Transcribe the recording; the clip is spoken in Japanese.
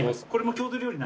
郷土料理？